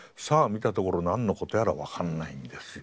見たところ何のことやら分かんないんですよ。